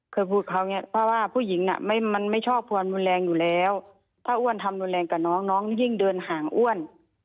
เคยพูดเขาอย่างนี้เพราะว่าผู้หญิงน่ะมันไม่ชอบความรุนแรงอยู่แล้วถ้าอ้วนทำรุนแรงกับน้องน้องยิ่งเดินห่างอ้วน